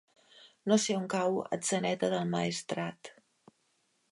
No sé on cau Atzeneta del Maestrat.